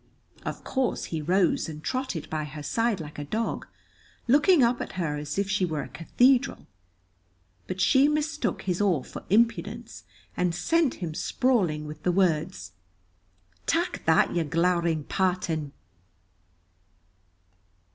Of course, he rose and trotted by her side like a dog, looking up at her as if she were a cathedral; but she mistook his awe for impudence and sent him sprawling, with the words, "Tak that, you glowering partan!"